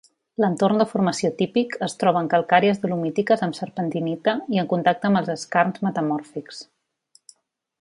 L'entorn de formació típic es troba en calcàries dolomítiques amb serpentinita i en contacte amb els skarns metamòrfics.